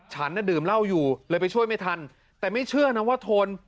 ฉันน่ะดื่มเหล้าอยู่เลยไปช่วยไม่ทันแต่ไม่เชื่อนะว่าทน